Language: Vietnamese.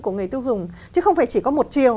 của người tiêu dùng chứ không phải chỉ có một chiều